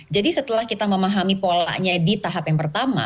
jadi setelah kita memahami polanya di tahap yang pertama